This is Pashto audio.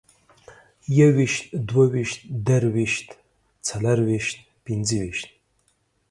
يوويشت، دوه ويشت، درویشت، څلرويشت، پنځه ويشت